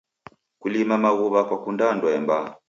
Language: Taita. Kulima maghuw'a kwakunda ndoe mbaa.